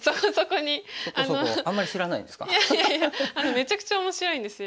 めちゃくちゃ面白いんですよ